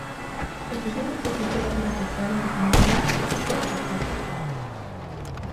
Especialmente Twitter ha sido afectado de comentarios críticos y sarcásticos.